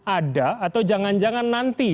ada atau jangan jangan nanti